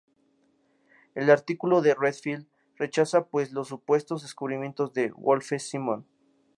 El artículo de Redfield rechaza pues los supuestos descubrimientos de Wolfe-Simon.